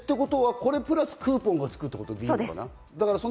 これプラス、クーポンがつくってことでいいのかな？